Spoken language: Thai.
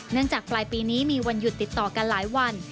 จากปลายปีนี้มีวันหยุดติดต่อกันหลายวัน